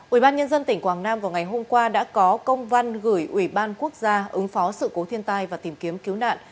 ủy ban nhân dân tỉnh quảng nam vào ngày hôm qua đã có công văn gửi ủy ban quốc gia ứng phó sự cố thiên tai và tìm kiếm cứu nạn